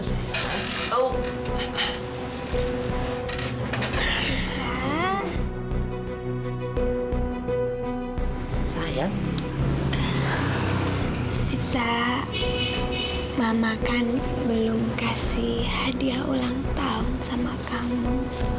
saya sita mama kan belum kasih hadiah ulang tahun sama kamu